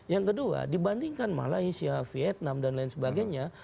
yang kedua dibandingkan malaysia vietnam dan lain sebagainya